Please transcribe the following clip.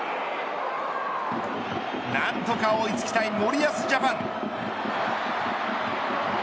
何とか追いつきたい森保ジャパン。